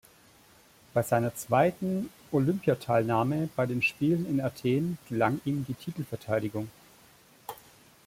Bei seiner zweiten Olympiateilnahme bei den Spielen in Athen gelang ihm die Titelverteidigung.